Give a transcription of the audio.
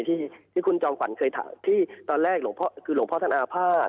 ที่คุณจอมขวัญเคยทำที่ตอนแรกหลวงพ่อคือหลวงพ่อท่านอภาพ